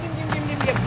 dim dim dim dim